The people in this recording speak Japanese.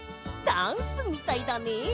ダンスみたいだね！